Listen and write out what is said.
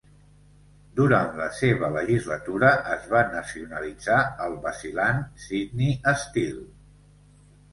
Durant la seva legislatura es va nacionalitzar el vacil·lant "Sydney Steel".